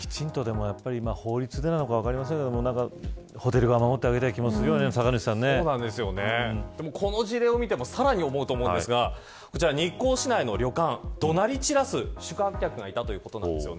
法律なのか分かりませんがホテル側を守ってあげたい気がこの事例を見てもさらに思うことはあるんですがこちら日光市内の旅館怒鳴り散らす宿泊客がいたということです。